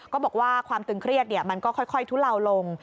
บอกว่าความตึงเครียดมันก็ค่อยทุเลาลง